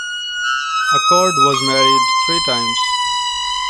Acord was married three times.